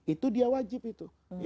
itu dia wajib itu